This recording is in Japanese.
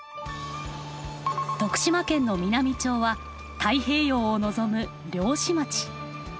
徳島県の美波町は太平洋を望む漁師町。